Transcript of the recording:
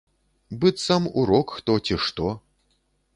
Быццам урок хто, ці што.